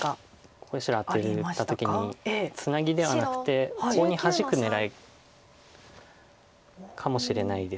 ここで白アテた時にツナギではなくてコウにハジく狙いかもしれないです。